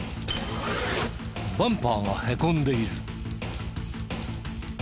バンパーがへこんでいる。